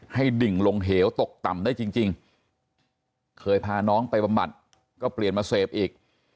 ดิ่งลงเหวตกต่ำได้จริงเคยพาน้องไปบำบัดก็เปลี่ยนมาเสพอีก